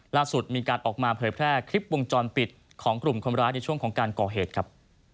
ล่าสุดมีการออกมาเผยแพร่คลิปวงจรปิดของกลุ่มคนร้ายในช่วงของการก่อเหตุครับ